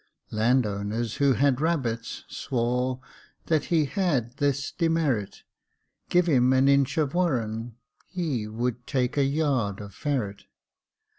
Land owners, who had rabbits, swore That he had this demerit Give him an inch of warren, he Would take a yard of ferret.